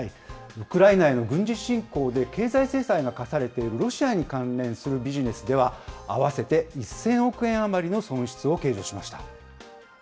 ウクライナへの軍事侵攻で経済制裁が科されているロシアに関連するビジネスでは、合わせて１０００億円余りの損失を計上しました。